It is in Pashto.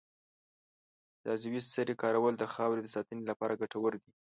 د عضوي سرې کارول د خاورې د ساتنې لپاره ګټور دي.